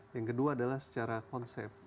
yang kedua adalah secara konsep